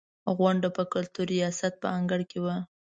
غونډه په کلتور ریاست په انګړ کې وه.